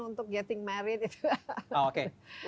untuk getting married itu